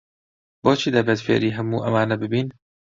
بۆچی دەبێت فێری هەموو ئەمانە ببین؟